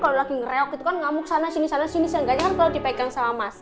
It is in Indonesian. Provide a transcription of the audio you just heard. kalau lagi ngereok gitu kan ngamuk sana sini sana sini kalau dipegang sama mas